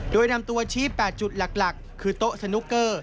โดยนำตัวชี้๘จุดหลักคือโต๊ะสนุกเกอร์